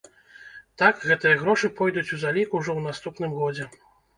Так, гэтыя грошы пойдуць у залік ўжо ў наступным годзе.